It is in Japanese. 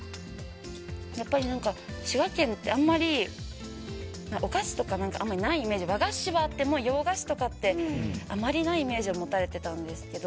やっぱり滋賀県ってあんまりお菓子とかないイメージ和菓子はあっても洋菓子とかってあまりないイメージを持たれていたんですけど。